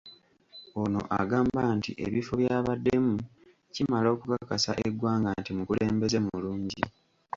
Ono agamba nti ebifo by’abaddemu kimala okukakasa eggwanga nti mukulembeze mulungi.